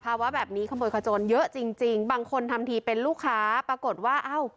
ว่าแบบนี้ขโมยขโจรเยอะจริงจริงบางคนทำทีเป็นลูกค้าปรากฏว่าอ้าว